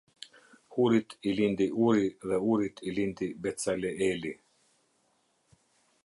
Hurit i lindi Uri dhe Urit i lindi Betsaleeli.